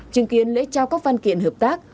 chứng kiến lễ trao các văn kiện hợp tác